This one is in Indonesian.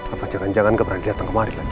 atau jangan jangan gak berani datang kemari lagi